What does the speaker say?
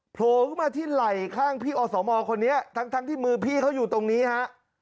โผล่ขึ้นมาที่ไหล่ข้างพี่อสมคนนี้ทั้งที่มือพี่เขาอยู่ตรงนี้ฮะ